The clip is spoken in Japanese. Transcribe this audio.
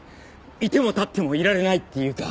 いてもたってもいられないっていうか。